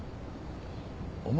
お前